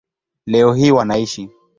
Leo hii wanaishi